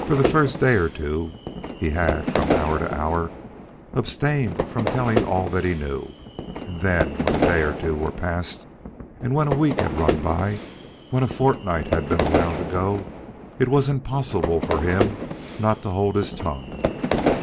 For the first day or two he had from hour to hour abstained from telling all that he knew, and then when the day or two were passed, and when a week had run by, when a fortnight had been allowed to go, it was impossible for him not to hold his tongue.